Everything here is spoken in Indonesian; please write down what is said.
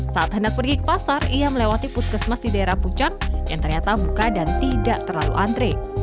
saat hendak pergi ke pasar ia melewati puskesmas di daerah pucang yang ternyata buka dan tidak terlalu antri